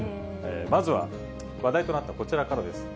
まずは話題となったこちらからです。